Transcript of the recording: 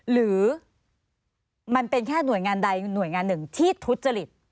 หรือมันเป็นแค่หน่วยงานใดหน่วยงานหนึ่งที่ทุจริต